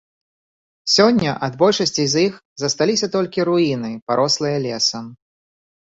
Сёння ад большасці з іх засталіся толькі руіны, парослыя лесам.